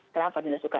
kenapa dinda suka